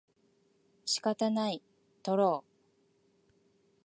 仕方ない、とろう